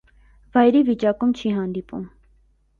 Վայրի վիճակում չի հանդիպում։